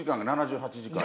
７８時間。